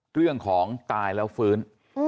เรื่องของตายแล้วฟื้น